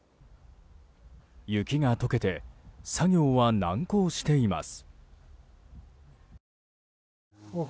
雪が解けて作業は難航しています。